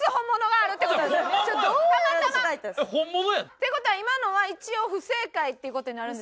っていう事は今のは一応不正解っていう事になるんですね？